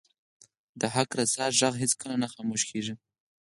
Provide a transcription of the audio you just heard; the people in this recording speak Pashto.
د حق رسا ږغ هیڅکله نه خاموش کیږي